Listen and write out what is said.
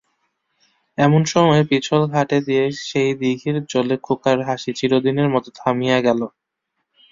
এমন সময় পিছল ঘাটে সেই দিঘির জলে খোকার হাসি চিরদিনের মতো থামিয়া গেল।